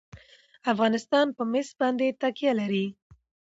افغانستان په مس باندې تکیه لري.